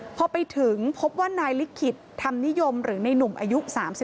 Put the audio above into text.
พอไปถึงพบว่านายลิขิตธรรมนิยมหรือในหนุ่มอายุ๓๒